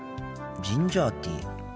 ジンジャーティー。